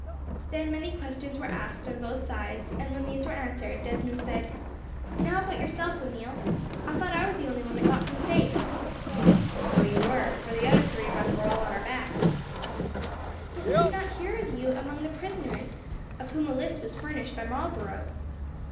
Then many questions were asked, on both sides; and when these were answered, Desmond said: "Now about yourself, O'Neil. I thought I was the only one that got through safe." "So you were, for the other three of us were all on our backs." "But we did not hear of you as among the prisoners, of whom a list was furnished by Marlborough."